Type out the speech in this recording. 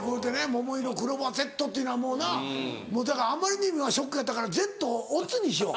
ももいろクローバーＺっていうのはもうなもうだからあまりにもショックやったから「Ｚ」を「乙」にしよう。